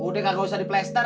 tat udah kagak usah di plaster